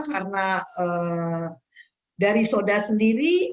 karena dari soda sendiri